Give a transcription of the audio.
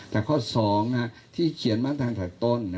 แต่ข้อ๒ที่เขียนมาตั้งแต่ต้น